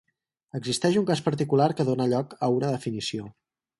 Existeix un cas particular que dóna lloc a una definició.